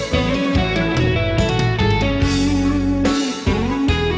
เพลง